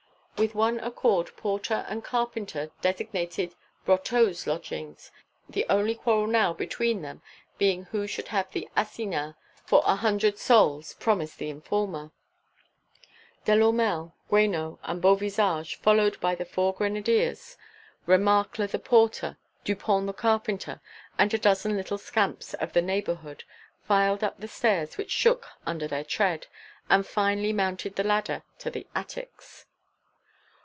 With one accord porter and carpenter designated Brotteaux's lodging, the only quarrel now between them being who should have the assignat for a hundred sols promised the informer. Delourmel, Guénot, and Beauvisage, followed by the four grenadiers, Remacle the porter, Dupont the carpenter, and a dozen little scamps of the neighbourhood filed up the stairs which shook under their tread, and finally mounted the ladder to the attics.